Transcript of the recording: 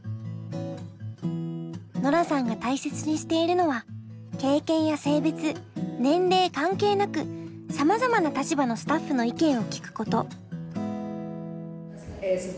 ノラさんが大切にしているのは経験や性別年齢関係なくさまざまな立場のスタッフの意見を聞くこと。